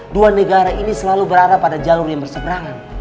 dua negara ini selalu berada pada jalur yang berseberangan